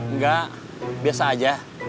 nggak biasa aja